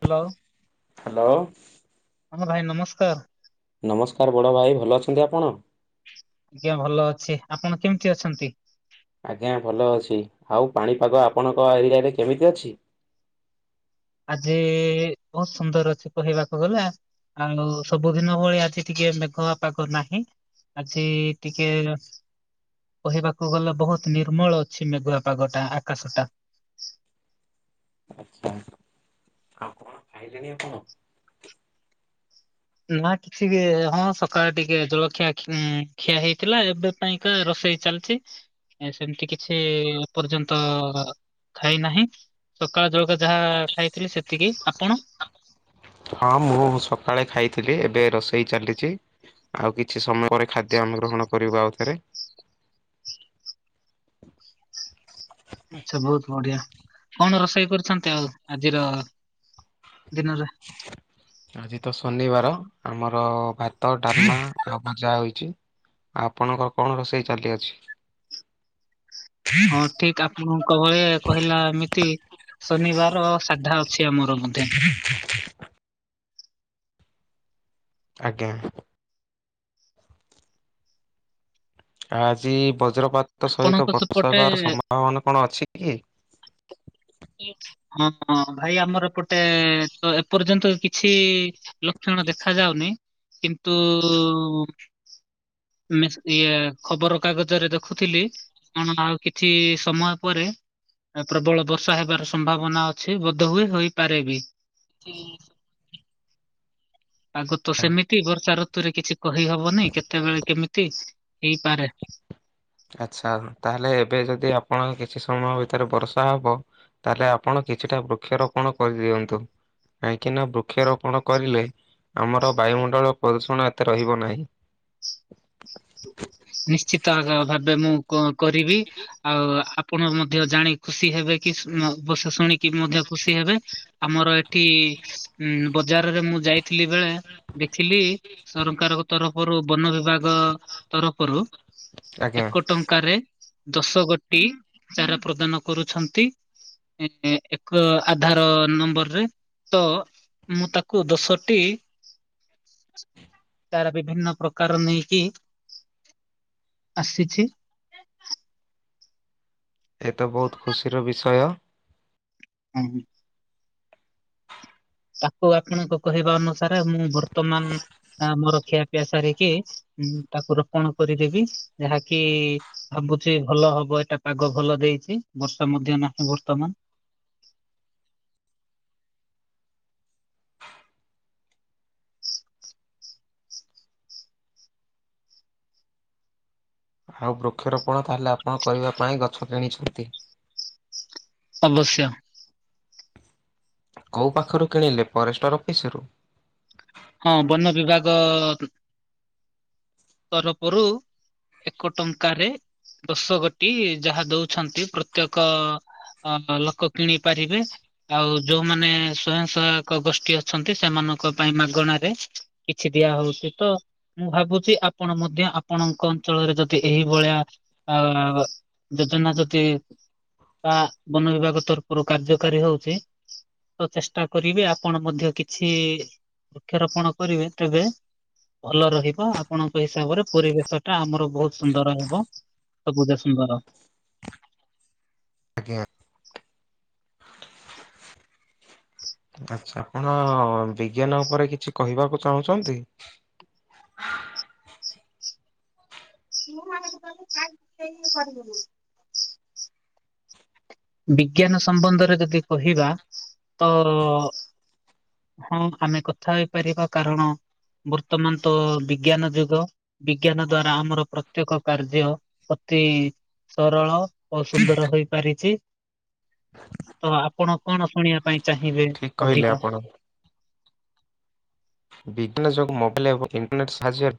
Hello hello. ହଁ ଭାଇ ନମସ୍କାର। ନମସ୍କାର ବଡ଼ ଭାଇ ଭଲ ଅଛନ୍ତି ଆପଣ। ଆଜ୍ଞା ଭଲ ଅଛି ଆପଣ କେମିତି ଅଛନ୍ତି? ଆଜ୍ଞା ଭଲ ଅଛି ଆଉ ପାଣିପାଗ ଆପଣଙ୍କ ଏରିଆରେ କେମିତି ଅଛି। ଆଜି ବହୁତ ସୁନ୍ଦର ଅଛି କହିବାକୁ ଗଲେ ଆଉ ସବୁଦିନ ଭଳି ଆଜି ଟିକେ ମେଘ ପାଗ ନାହିଁ। ଆଜି ଟିକେ କହିବାକୁ ଗଲେ ବହୁତ ନିର୍ମଳ ଅଛି ମେଘୁଆ ପାଗଟା ଆକାଶଟା। ଆଚ୍ଛା। ଆଉ କଣ ଖାଇଲେଣି ଆପଣ? ନା କିଛି ବି ହଁ ସକାଳେ ଟିକେ ଜଳଖିଆ ଖିଆ ହେଇଥିଲା ଏବେ ପାଇଁ କା ର ସେଇ ଚାଲିଛି ସେମିତି କିଛି ଏ ପର୍ଯ୍ୟନ୍ତ ଖାଇନାହିଁ ସକାଳ ଜଳକିଆ ଯାହା ଖାଇଥିଲି ସେତିକି ଆପଣ? ହଁ ମୁଁ ସକାଳେ ଖାଇଥିଲି ଏବେ ରୋଷେଇ ଚାଲିଚି। ଆଉ କିଛି ସମୟ ପରେ ଖାଦ୍ୟ ଆମେ ଗ୍ରହଣ କରିବୁ ଆଉଥରେ। ଆଚ୍ଛା ବହୁତ ବଢିଆ କଣ ରୋଷେଇ କରୁଛନ୍ତି ଆଉ ଆଜିର ଦିନରେ? ଆଜି ତ ଶନିବାର ଆମର ଭାତ ଡାଲମା ଯାହା ହେଇଛି। ଆପଣଙ୍କର କଣ ରୋଷେଇ ଚାଲି ଅଛି? ହଁ ଠିକ ଆପଣଙ୍କ ଭଳି କହିଲା ଏମିତି ଶନିବାର ସାଧା ଅଛି ଆମର ବୁଧେ। ଆଜ୍ଞା। ଆଜି ବଜ୍ରପାତ ସହିତ ଆପଣଙ୍କ ବର୍ଷା ସେପଟେ ହେବାର ସମ୍ଭାବନା କଣ ଅଛି କି? ହଁ। ହଁ ଭାଇ ଆମର ଏ ପଟେ ତ ଏପର୍ଯ୍ୟନ୍ତ କିଛି ଲକ୍ଷଣ ଦେଖାଯାଉନି କିନ୍ତୁ ଇଏ ଖବର କାଗଜରେ ଦେଖୁଥିଲି କଣ ଆଉ କିଛି ସମୟ ପରେ ପ୍ରବଳ ବର୍ଷା ହେବାର ସମ୍ଭାବନା ଅଛି ବୋଧହୁଏ ହୋଇପାରେ ବି। ଠିକ। ଆଗ ତ ସେମିତି ବର୍ଷା ଋତୁରେ କିଛି କହିହବନି କେତେବେଳେ କେମିତି? ହେଇପାରେ। ଆଚ୍ଛା ତାହେଲେ ଏବେ ଯଦି ଆପଣ କିଛି ସମୟ ଭିତରେ ବର୍ଷା ହବ। ତାହେଲେ ଆପଣ କିଛିଟା ବୃକ୍ଷରୋପଣ କରିଦିଅନ୍ତୁ। କାହିଁକି ନା ବୃକ୍ଷରୋପଣ କରିଲେ ଆମର ବାୟୁମଣ୍ଡଳ ପ୍ରଦୂଷଣ ଏତେ ରହିବ ନାହିଁ। ନିଶ୍ଚିତ ଭାବେ ମୁଁ କରିବି ଆଉ ଆପଣ ମଧ୍ୟ ଜାଣି ଖୁସି ହେବେ କି ବସ ଶୁଣିକି ମଧ୍ୟ ଖୁସି ହେବେ ଆମର ଏଠି ବଜାରରେ ମୁଁ ଯାଇଥିଲି ବେଳେ ଦେଖିଲି ସରକାରଙ୍କ ତରଫରୁ ବନ ବିଭାଗ ତରଫରୁ ଆଜ୍ଞା। ଏକ ଟଙ୍କାରେ ଦଶ ଗୋଟି ଚାରା ପ୍ରଦାନ କରୁଛନ୍ତି। ଏକ ଆଧାର ନମ୍ବର ରେ ତ ମୁଁ ତାକୁ ଦଶଟି ତାର ବିଭିନ୍ନ ପ୍ରକାର ନେଇକି ଆସିଚି। ଏ ତ ବହୁତ ଖୁସିର ବିଷୟ। ହଁ ହଁ। ତାକୁ ଆପଣଙ୍କ କହିବା ଅନୁସାରେ ମୁଁ ବର୍ତ୍ତମାନ ମୋର ଖିଆପିଆ ସାରିକି ତାକୁ ରୋପଣ କରିଦେବି ଏହାକି ଭାବୁଚି ଭଲ ହବ ଏଟା ପାଗ ଭଲ ଦେଇଛି। ବର୍ଷା ମଧ୍ୟ ନାହିଁ ବର୍ତ୍ତମାନ। ଆଉ ବୃକ୍ଷରୋପଣ ତାହେଲେ ଆପଣ କରିବା ପାଇଁ ଗଛ କିଣିଛନ୍ତି? ଅବଶ୍ୟ। କୋଉ ପାଖରୁ କିଣିଲେ ପରେଷ୍ଟର ଅଫିସିରୁ? ହଁ ବନ ବିଭାଗ ତରପରୁ ଏକ ଟଙ୍କାରେ ଦଶ ଗୋଟି ଯାହା ଦଉଛନ୍ତି ପ୍ରତ୍ୟେକ ଅ ଲୋକ କିଣି ପାରିବେ ଆଉ ଯୋଉମାନେ ସ୍ଵୟଂ ସହାୟକ ଗୋଷ୍ଠୀ ଅଛନ୍ତି ସେମାନେ ଙ୍କ ପାଇଁ [unintelligible] ମାଗଣାରେ କିଛି ଦିଆହଉଛି ତ, ମୁଁ ଭାବୁଛି ଆପଣ ମଧ୍ୟ ଆପଣଙ୍କ ଅଞ୍ଚଳରେ ଯଦି ଏହି ଭଳିଆ ଅ ଯୋଜନା ଯଦି ବା ବନ ବିଭାଗ ତରଫରୁ କାର୍ଯ୍ୟକାରୀ ହଉଛି ତ ଚେଷ୍ଟା କରିବେ ଆପଣ ମଧ୍ୟ କିଛି ବୃକ୍ଷରୋପଣ କରିବେ, ତେବେ ଭଲ ରହିବ, ଆପଣଙ୍କ ହିସାବରେ ପରିବେଶ ଟା ଆମର ବହୁତ ସୁନ୍ଦର ହେବ। ସବୁଜ ସୁନ୍ଦର। ଆଜ୍ଞା। ଆଛା, ଆପଣ ବିଜ୍ଞାନ ଉପରେ କିଛି କହିବାକୁ ଚାହୁଁଛନ୍ତି? ମୁଁ କରିିବ [unintelligible] ବିଜ୍ଞାନ ସମ୍ବନ୍ଧରେ ଯଦି କହିବା ତ ହଁ ଆମେ କଥା ହେଇପାରିବା କାରଣ ବର୍ତ୍ତମାନ ତ ବିଜ୍ଞାନ ଯୁଗ, ବିଜ୍ଞାନ ଦ୍ଵାରା ଆମର ପ୍ରତ୍ୟେକ କାର୍ଯ୍ୟ ଅତି ସରଳ ଓ ସୁନ୍ଦର ହୋଇପାରିଛି। ତ ଆପଣ କଣ ଶୁଣିବା ପାଇଁ? ଚାହିଁବେ ଠିକ କହିଲେ ଅଧିକା ଆପଣ। ବିଜ୍ଞାନ ଯୋଗୁ ମୋବାଇଲ ଏବଂ ଇଣ୍ଟରନେଟ୍ ସାହାଯ୍ୟରେ,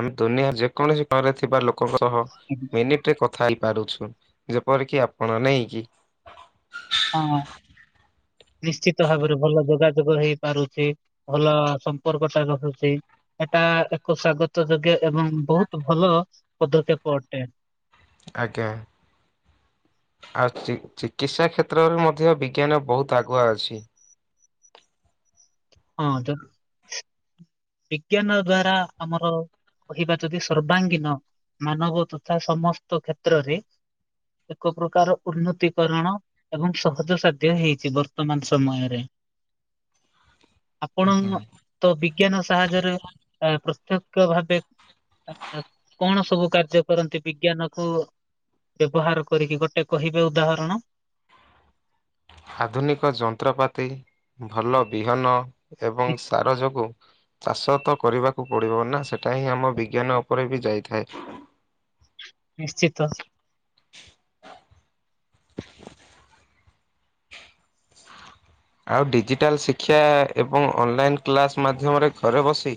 ଆମେ ଦୁନିଆରେ ଯେକୌଣସି ଘରେ ଥିବା ଲ କହ କହ ମିନିଟରେ କ। ଖାଇ ପାରୁଛୁ, ଯେପରିକି ଆପଣ ନେଇକି ହଁ। ହ [inaudible] ନିଶ୍ଚିତ ଭାବରେ ଭଲ ଯୋଗାଯୋଗ ହେଇପାରୁଛି, ଭଲ ସମ୍ପର୍କ ଟା ରହୁଛି। ଏଟା ଏକ ସ୍ଵାଗତ ଯୋଗ୍ୟ ଏବଂ ବହୁତ ଭଲ ପଦକ୍ଷେପ ଅଟେ। ଆଜ୍ଞା। ଆଉ ଚିକିତ୍ସା କ୍ଷେତ୍ରରେ ମଧ୍ୟ ବିଜ୍ଞାନ ବହୁତ ଆଗୁଆ ଅଛି। ହଁ ତ ବିଜ୍ଞାନ ଦ୍ଵାରା ଆମର କହିବା ଯଦି ସର୍ବାଙ୍ଗୀନ ମାନବ ତଥା ସମସ୍ତ କ୍ଷେତ୍ରରେ ଏକ ପ୍ରକାର ଉନ୍ନତିକରଣ ଏବଂ ସହଜ ସାଧ୍ୟ ହେଇଛି ବର୍ତ୍ତମାନ ସମୟରେ [inaudible] ଆପଣ ଆଜ୍ଞା। ତ ବିଜ୍ଞାନ ସାହାଯ୍ୟରେ ପ୍ରତ୍ୟକ ଭାବେ- ଆଛା, କଣ ସବୁ କାର୍ଯ୍ୟ କରନ୍ତି ବିଜ୍ଞାନ କୁ ବ୍ୟବହାର କରିକି, ଗୋଟେ କହିବେ ଉଦାହରଣ [inaudible] ଆଧୁନିକ ଯନ୍ତ୍ରପାତି ଭଲ ବିହନ ଏବଂ ନି- ସାର ଯୋଗୁଁ ଚାଷ ତ କରିବାକୁ ପଡିବ ନା, ସେଟା ହିଁ ଆମ ବିଜ୍ଞାନ ଉପରେ ବି ଯାଇଥାଏ। ନିଶ୍ଚିତ। ଆଉ ଡିଜିଟାଲ ଶିକ୍ଷା ଏବଂ ଅନଲାଇନ କ୍ଲାସ ମାଧ୍ୟମରେ ଘରେ ବସି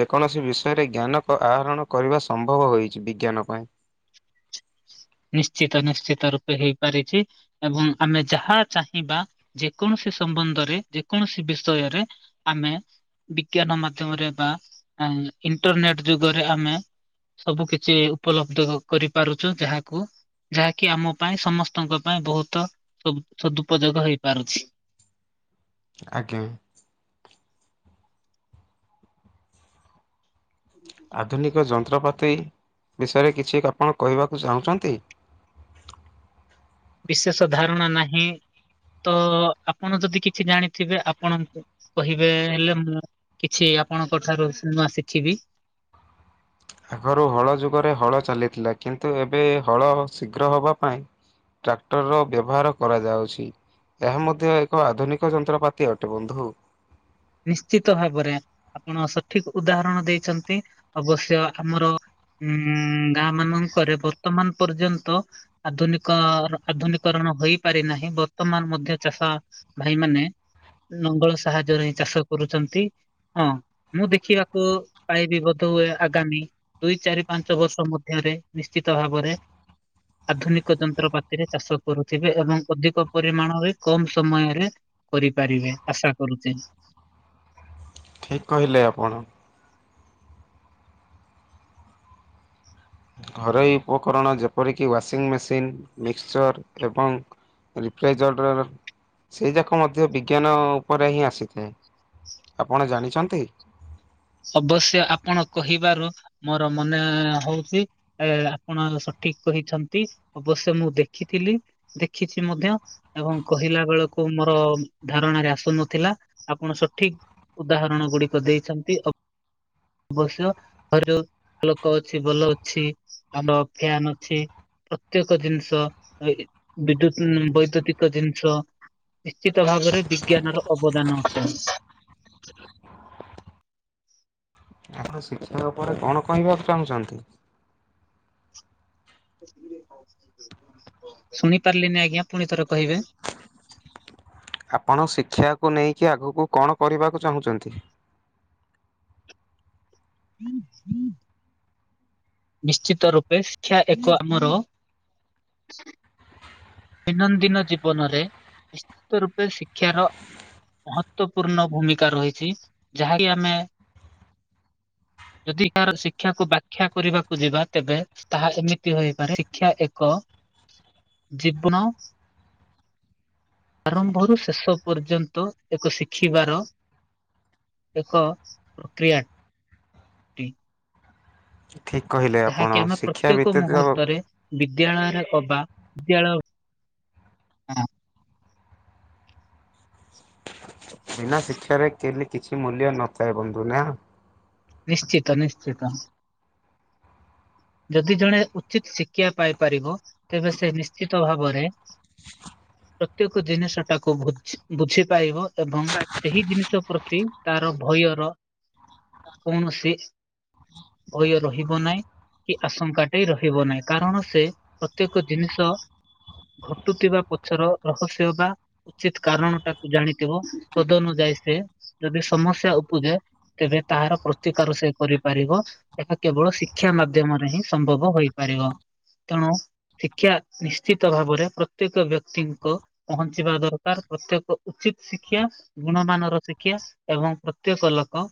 ଯେକୌଣସି ବିଷୟରେ ଜ୍ଞାନ ଆହରଣ କରିବା ସମ୍ଭବ ହୋଇଛି, ବିଜ୍ଞାନ ପାଇଁ [unintelligible] ନିଶ୍ଚିତ ନିଶ୍ଚିତ ରୂପେ ହେଇପାରିଛି ଏବଂ ଆମେ ଯାହା ଚାହିଁବା ଯେକୌଣସି ସେ ସମ୍ବନ୍ଧରେ ଯେକୌଣସି ବିଷୟରେ ଆମେ ବିଜ୍ଞାନ ମାଧ୍ୟମରେ ବା ଇଣ୍ଟରନେଟ ଯୁଗରେ ଆମେ ସବୁ କିଛି ଉପଲବ୍ଧ କରିପାରୁଛୁ ଯାହା ଯାହାକି ଆମ ପାଇଁ ସମସ୍ତଙ୍କ ପାଇଁ ବହୁତ ସଦୁପଯୋଗ ହେଇପାରୁଛି। ଆଜ୍ଞା। ଆଧୁନିକ ଯନ୍ତ୍ରପାତି ବିଷୟରେ କିଛି ଆପଣ କହିବାକୁ ଚାହୁଁଛନ୍ତି? ବିଶେଷ ଧାରଣା ନାହିଁ। ତ ଆପଣ ଯଦି କିଛି ଜାଣିଥିବେ, ଆପଣ କହିବେ ହେଲେ ମୁଁ କିଛି ଆପଣଙ୍କ ଠାରୁ ସେମା [unintelligible] ଶିଖିବି। ଆଗରୁ ହଳ ଯୁଗରେ ହଳ ଚାଲିଥିଲା କିନ୍ତୁ ଏବେ ହଳ ଶୀଘ୍ର ହବା ପାଇଁ ଟ୍ରାକ୍ଟର ର ବ୍ୟବହାର କରାଯାଉଛି। ଏହା ମଧ୍ୟ ଏକ ଆଧୁନିକ ଯନ୍ତ୍ରପାତି ଅଟେ। ବନ୍ଧୁ ନିଶ୍ଚିତ ଭାବରେ ଆପଣ ସଠିକ ଉଦାହରଣ ଦେଇଛନ୍ତି। ଅବଶ୍ୟ ଆମର ଉଁ ଗାଁ ମାନଙ୍କରେ ବର୍ତ୍ତମାନ ପର୍ଯ୍ୟନ୍ତ ଆଧୁନିକ ଆଧୁନିକରଣ ହୋଇପାରି ନାହିଁ ବର୍ତ୍ତମାନ ମଧ୍ୟ ଚାଷ ଭାଇ ମାନେ ଲଙ୍ଗଳ ସାହାଯ୍ୟରେ ଚାଷ କରୁଚନ୍ତି। ହଁ ମୁଁ ଦେଖିବାକୁ ପାଇବି ବୋଧ ହୁଏ ଆଗାମୀ ଦୁଇ ଚାରି ପାଞ୍ଚ ବର୍ଷ ମଧ୍ୟ ନିଶ୍ଚିତ ଭାବରେ ଆଧୁନିକ ଯନ୍ତ୍ରପାତିରେ ଚାଷ କରୁଥିବେ ଏବଂ ଅଧିକ ପରିମାଣରେ କମ ସମୟରେ କରିପାରିବେ ଆଶା କରୁଚି। ଠିକ୍ କହିଲେ ଆପଣ। ଘରୋଇ ଉପକରଣ ଯେପରିକି ୱାସିଂ ମେସିନ୍ ମିକ୍ସଚର୍ ଏବଂ [unintelligible] ସେଇ ଯାକ ମଧ୍ୟ ବିଜ୍ଞାନ ଉପରେ ହିଁ ଆସିଥାଏ। ଆପଣ ଜାଣିଛନ୍ତି? ଅବଶ୍ୟ ଆପଣ କହିବାରୁ ମୋର ମନେ ହଉଛି ଆପଣ ସଠିକ ଠିକ କହିଛନ୍ତି ଅବଶ୍ୟ ମୁଁ ଦେଖିଥିଲି ଦେଖିଛି ମଧ୍ୟ ଏବଂ କହିଲା ବେଳକୁ ମର ଧାରଣାରେ ଆସୁନଥିଲା ଆପଣ ସଠିକ ଉଦାହରଣ ଗୁଡିକ ଦେଇଛନ୍ତି। ବସ ଘର ଲୋକ ଅଛି ଭଲ ଅଛି ଆମର ଫ୍ୟାନ ଅଛି। ପ୍ରତ୍ୟକ ଜିନିଷ ବିଦ୍ୟୁତ ବୈଦ୍ୟୁତିକ ଜିନିଷ ନିଶ୍ଚିତ ଭାବରେ ବିଜ୍ଞାନର ଅବଦାନ ଅଟ [unintelligible] ଆପଣ ଶିକ୍ଷା ଉପରେ କଣ କହିବାକୁ ଚାହୁଁଛନ୍ତି? ଶୁଣି ପାରିଲିନି ଆଜ୍ଞା ପୁଣି ଥରେ କହିବେ? ଆପଣ ଶିକ୍ଷାକୁ ନେଇକି ଆଗକୁ କଣ କରିବାକୁ ଚାହୁଁଛନ୍ତି। ହୁଁ ହୁଁ। ନିଶ୍ଚିତ ରୂପେ ଶିକ୍ଷା ଏକ ଆମର ଦୈନନ୍ଦିନ ଜୀବନରେ ନିଶ୍ଚିତ ରୂପେ ଶିକ୍ଷାର ମହତପୂର୍ଣ୍ଣ ଭୂମିକା ରହିଛି ଯାହାକି ଆମେ ଯଦି କାହାର ଶିକ୍ଷାକୁ ବ୍ୟାଖ୍ୟା କରିବାକୁ ଯିବା ତେବେ ତାହା ଏମିତି ହେପାରେ ଶିକ୍ଷା ଏକ ଜୀବନ ଆରମ୍ଭରୁ ଶେଷ ପର୍ଯ୍ୟନ୍ତ ଏକ ଶିଖିବାର ଏକ ପ୍ରକ୍ରିୟା ଟେ ଠିକ୍ କହିଲେ ଆପଣ ଯାହାକି ଆମେ ଶିକ୍ଷା ପ୍ରତ୍ୟେକ ବ୍ୟତୀତ ମୁହୂର୍ତ୍ତରେ ବି [unintelligible] ଅବା ବେଳ ହଁ ବିନା ଶିକ୍ଷାରେ କେହିଁ କିଛି ମୂଲ୍ୟ ନଥାଏ ବନ୍ଧୁ ନା? ନିଶ୍ଚିତ ନିଶ୍ଚିତ। ଯଦି ଜଣେ ଉଚିତ ଶିକ୍ଷା ପାଇପାରିବ ତେବେ ସେ ନିଶ୍ଚିତ ଭାବରେ ପ୍ରତ୍ୟେକ ଜିନିଷ ଟାକୁ ବୁଝି ବୁଝିପାରିବ ଏବଂ ସେହି ଜିନିଷ ପ୍ରତି ତାର ଭୟର କୌଣସି ଭୟ ରହିବ ନାହିଁ। କି ଆଶଙ୍କାଟେ ରହିବ ନାହିଁ କାରଣ ସେ ପ୍ରତ୍ୟେକ ଜିନିଷ ଘଟୁଥିବା ପଛର ରହସ୍ୟ ହବା ଉଚିତ କାରଣ ଟାକୁ ଜାଣିଥିବ ତଦନୁଯ ଯଦି ସମସ୍ୟା ଉପୁଜେ ତେବେ ତାହାର ପ୍ରତିକାର ସେ କରିପାରିବ। କେବଳ ଶିକ୍ଷା ମାଧ୍ୟମରେ ହିଁ ସମ୍ଭବ ହୋଇପାରିବ। ତେଣୁ ଶିକ୍ଷା ନିଶ୍ଚିତ ଭାବରେ ପ୍ରତ୍ୟେକ ବ୍ୟକ୍ତିଙ୍କ ପହଞ୍ଚିବା ଦରକାର ପ୍ରତ୍ୟେକ ଉଚିତ ଉଚିତ୍ ଶିକ୍ଷା ଗୁଣମାନର ଶିକ୍ଷା ଏବଂ ପ୍ରତ୍ୟେକ ଲୋକ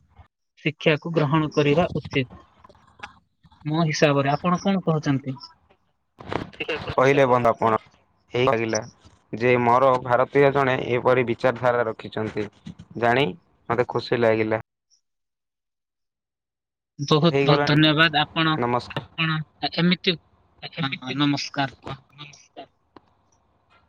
ଶିକ୍ଷାକୁ ଗ୍ରହଣ କରିବା ଉଚିତ୍। ମୋ ହିସାବରେ, ଆପଣ କଣ କହୁଛନ୍ତି? କହିଲେ, ବନ୍ଦାପଣ ହେଇ ଲାଗିଲା ଯେ ମ ର ଭାରତୀୟ ଜଣେ ଏପରି ବିଚାରଧାରା ରଖିଛନ୍ତି। ଜାଣି ମୋତେ ଖୁସି ଲାଗିଲା। ଆ ବହୁତ ବହୁତ ହେଇଗଲାଣି ଧନ୍ୟବାଦ ଆପଣ ନମସ୍କାର। ଏମିତି ଏ ହଁ ନମସ୍କାର। କେମିତି [inaudible]